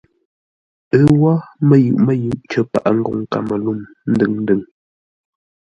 Ə́ wó mə́yʉʼ mə́yʉʼ cər paʼa ngoŋ Kamelûŋ, ndʉŋ-ndʉŋ.